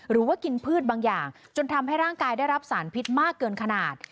หรือว่ากินพืชบางอย่างจนทำให้ร่างกายได้รับสารพิษมากเกินขนาด